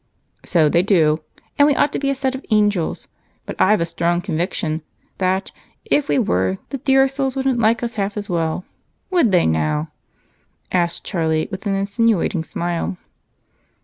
"So they do, and we ought to be a set of angels, but I've a strong conviction that, if we were, the dear souls wouldn't like us half as well. Would they now?" asked Charlie with an insinuating smile.